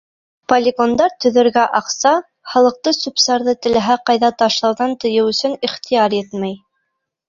Полигондар төҙөргә аҡса, халыҡты сүп-сарҙы теләһә ҡайҙа ташлауҙан тыйыу өсөн ихтыяр етмәй.